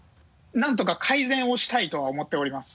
何とか改善をしたいとは思っております。